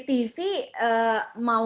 mau harga yang paling murah pun